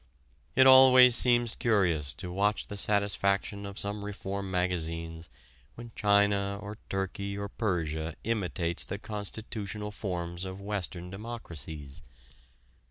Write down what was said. It always seems curious to watch the satisfaction of some reform magazines when China or Turkey or Persia imitates the constitutional forms of Western democracies.